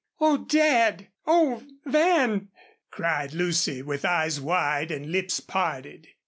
"Oh, Dad! Oh, Van!" cried Lucy, with eyes wide and lips parted.